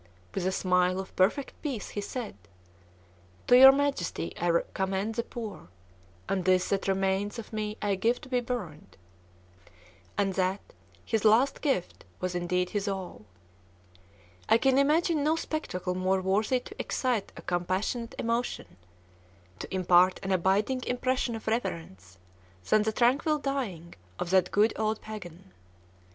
With a smile of perfect peace he said: "To your Majesty I commend the poor; and this that remains of me I give to be burned." And that, his last gift, was indeed his all. I can imagine no spectacle more worthy to excite a compassionate emotion, to impart an abiding impression of reverence, than the tranquil dying of that good old "pagan."